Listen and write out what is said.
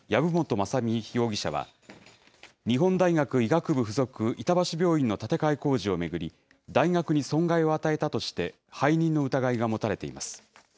雅巳容疑者は、日本大学医学部附属板橋病院の建て替え工事を巡り、大学に損害を与えたとして、背任の疑いが持たれています。